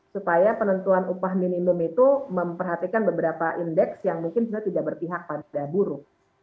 supaya penentuan upah minimum itu memperhatikan beberapa indeks yang mungkin sudah tidak berpihak pada buruk